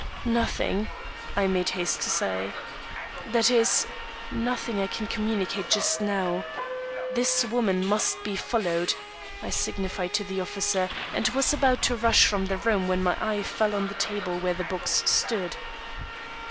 "Nothing," I made haste to say "that is, nothing I can communicate just now. This woman must be followed," I signified to the officer, and was about to rush from the room when my eye fell on the table where the box stood.